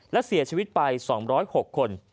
และเสียชีวิตไป๒๐๖คน